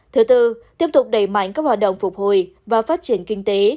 thứ tư tiếp tục đẩy mạnh các hoạt động phục hồi và phát triển kinh tế